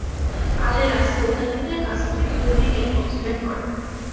আলে রাসুল তার পিতার কাছ থেকে ধর্মীয় জ্ঞান অধ্যয়ন করেন।